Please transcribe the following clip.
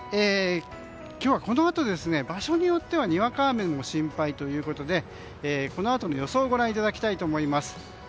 今日はこのあと、場所によってはにわか雨も心配ということでこのあとの予想をご覧いただきたいと思います。